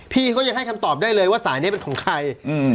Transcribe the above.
พี่เขายังให้คำตอบได้เลยว่าสายนี้เป็นของใคร